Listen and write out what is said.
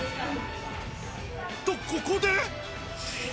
と、ここで。